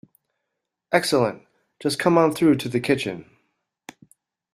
Excellent, just come on through to the kitchen.